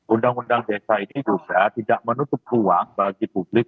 undang undang desa ini juga tidak menutup ruang bagi publik